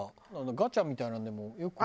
ガチャみたいなのでもよく。